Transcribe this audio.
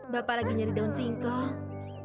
bapak lagi nyari daun singkong